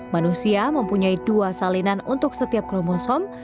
manusia mempunyai dua salinan untuk setiap kromosom